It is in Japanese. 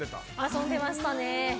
遊んでましたね。